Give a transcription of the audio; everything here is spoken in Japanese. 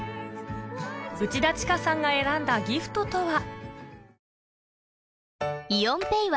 内田慈さんが選んだギフトとは？